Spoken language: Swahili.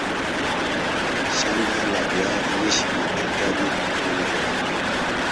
shamba la viazi lishe linahitaji kutunzwa